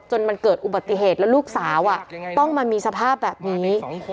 จนมันเกิดอุบัติเหตุแล้วลูกสาวต้องมามีสภาพแบบนี้